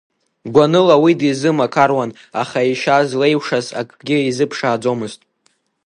Гәаныла уи дизымақаруан, аха ишьа злеиушаз акгьы изыԥшааӡомызт.